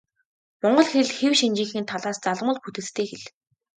Монгол хэл хэв шинжийнхээ талаас залгамал бүтэцтэй хэл.